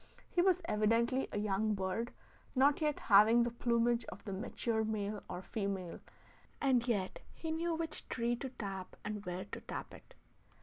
He was evidently a young bird not yet having the plumage of the mature male or female, and yet he knew which tree to tap and where to tap it.